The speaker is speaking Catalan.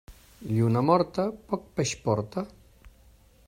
Lluna morta poc peix porta.